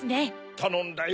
たのんだよ。